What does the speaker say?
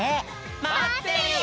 まってるよ！